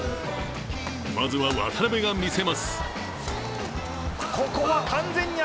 まずは渡辺が見せます。